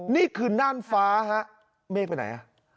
นี่คือน่านฟ้าฮะเมฆไปไหนอ่ะ